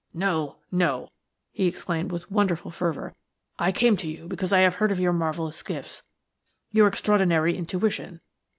No, no!" he exclaimed with wonderful fervour. "I came to you because I have heard of your marvellous gifts, your extraordinary intuition.